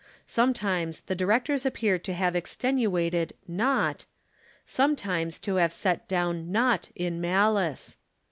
Sometimes the directors appear to have extenuated "nought," sometimes to have set down "nought" in malice.